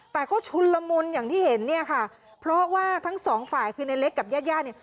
แต่ก็ชุนละมุนอย่างที่เห็นเนี่ยค่ะเพราะว่าทั้งสองฝ่ายคือในเล็กกับญาติญาติเนี่ย